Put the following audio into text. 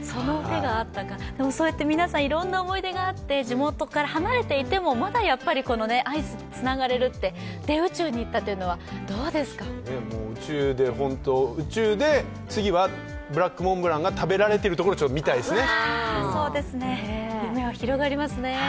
そうやっていろんな思い出があって地元から離れていてもまだアイスでつながれる、それで宇宙に行ったというのは宇宙で次はブラックモンブランが食べられているところを見たいですね。